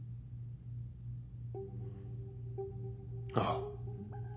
ああ。